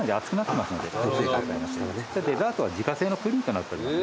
デザートは自家製のプリンとなっております。